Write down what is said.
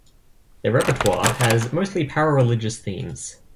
Their repertoire has mostly para-religious themes.